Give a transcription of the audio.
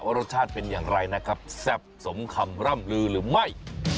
รสชาติเป็นอย่างไรนะครับแซ่บสมคำร่ำลือหรือไม่